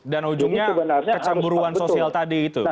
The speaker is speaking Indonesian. dan ujungnya kecamburuan sosial tadi itu